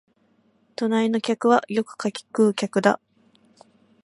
隣の客はよく柿喰う客だ